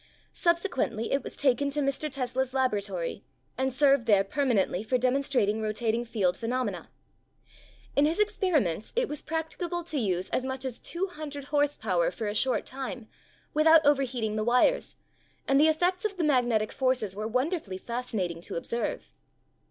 Subsequently it was taken to Mr. Tesla's laboratory and served there perma nently for demonstrating rotating field phe nomena. In his experiments it was prac ticable to use as much as 200 horsepower for a short time, without overheating the wires and the effects of the magnetic forces were wonderfully fascinating to observe.